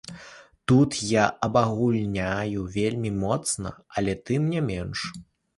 Тут я абагульняю вельмі моцна, але тым не менш.